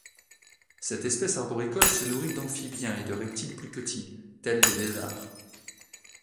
Cette espèce arboricole se nourrit d'amphibiens et de reptiles plus petits, tels des lézards.